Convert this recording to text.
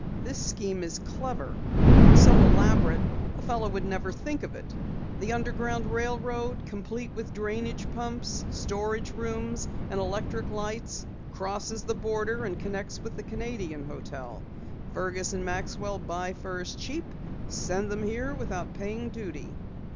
This scheme is clever, so elaborate a fellow never would think of it. The underground railroad, complete with drainage pumps, storage rooms and electric lights, crosses the border and connects with the Canadian hotel. Fergus and Maxwell buy furs cheap and send them here without paying duty."